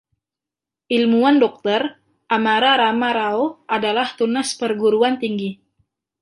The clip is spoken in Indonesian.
Ilmuwan Dokter, Amara rama Rao, adalah tunas perguruan tinggi.